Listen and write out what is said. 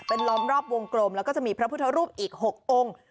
เป็นล้อมรอบวงกลมแล้วก็จะมีพระพุทธรูปอีก๖องค์